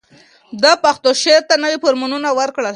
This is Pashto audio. ده پښتو شعر ته نوي فورمونه ورکړل